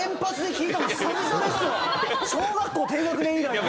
小学校低学年以来の。